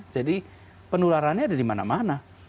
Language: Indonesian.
jadi penularannya ada di mana mana